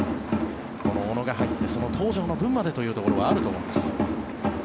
この小野が入ってその東條の分までというところはあると思います。